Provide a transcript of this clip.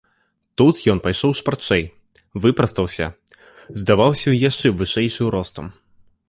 Тут ён пайшоў шпарчэй, выпрастаўся, здаваўся яшчэ вышэйшы ростам.